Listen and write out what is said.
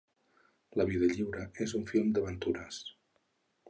La vida lliure és un film d’aventures.